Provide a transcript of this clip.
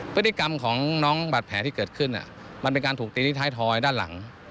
พฤติกรรมของน้องบาดแผลที่เกิดขึ้นมันเป็นการถูกตีที่ท้ายทอยด้านหลัง